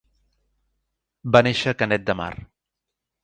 Va néixer a Canet de Mar.